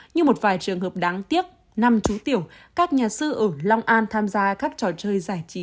như một vài trường hợp đáng tiếc năm chú tiểu các nhà sư ở long an tham gia các trò chơi giải trí